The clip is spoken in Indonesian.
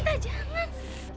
makasih banget ibu